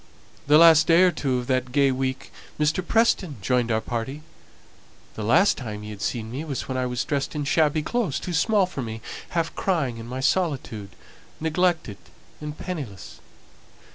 The last day or two of that gay week Mr. Preston joined our party. The last time he had seen me was when I was dressed in shabby clothes too small for me, half crying in my solitude, neglected and penniless.